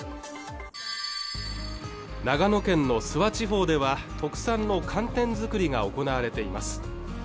長野県の諏訪地方では特産の寒天作りが行われています